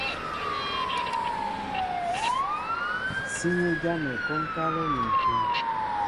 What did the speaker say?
Síní jámɛ kwónkálɛ́ ni ǹkwɛ̌.